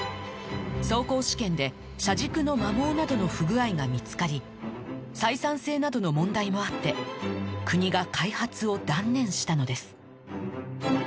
走行試験で車軸の摩耗などの不具合が見つかり採算性などの問題もあって国が開発を断念したのです